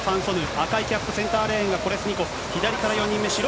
赤いキャップ、センターレーンがコレスニコフ。